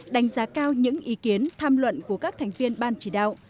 đánh giá cao những ý kiến tham luận của các thành viên ban chỉ đạo